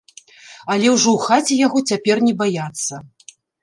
Але ўжо ў хаце яго цяпер не баяцца.